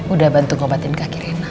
udah bantu kau obatin kaki rina